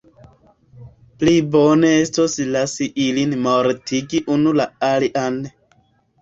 Pli bone estos lasi ilin mortigi unu la alian.